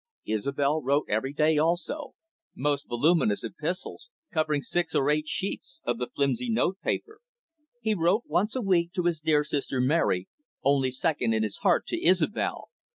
Isobel wrote every day also, most voluminous epistles, covering six or eight sheets of the flimsy notepaper. He wrote once a week to his dear sister, Mary, only second in his heart to Isobel.